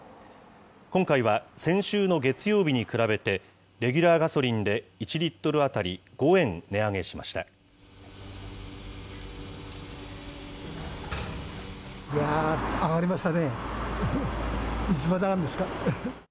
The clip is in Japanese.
今回は、先週の月曜日に比べてレギュラーガソリンで１リットル当たり５円値上げしました。